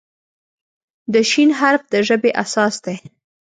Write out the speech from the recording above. د "ش" حرف د ژبې اساس دی.